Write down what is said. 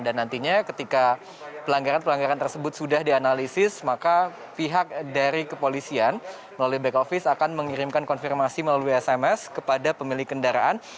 dan nantinya ketika pelanggaran pelanggaran tersebut sudah dianalisis maka pihak dari kepolisian melalui back office akan mengirimkan konfirmasi melalui sms kepada pemilik kendaraan